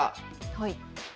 はい。